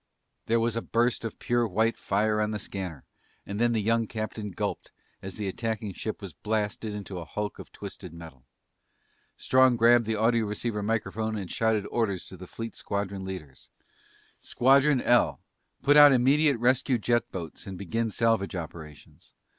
There was a burst of pure white fire on the scanner and then the young captain gulped as the attacking ship was blasted into a hulk of twisted metal. Strong grabbed the audioceiver microphone and shouted orders to the fleet squadron leaders. "... Squadron L! Put out immediate rescue jet boats and begin salvage operations.